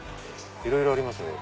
いろいろありますね